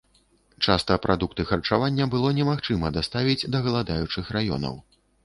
Часта прадукты харчавання было немагчыма даставіць да галадаючых раёнаў.